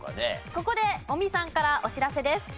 ここで尾美さんからお知らせです。